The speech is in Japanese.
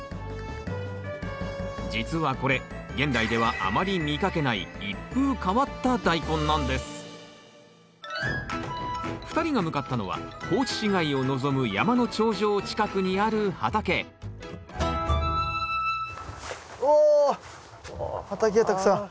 実はこれ現代ではあまり見かけない２人が向かったのは高知市街を望む山の頂上近くにある畑お畑がたくさん。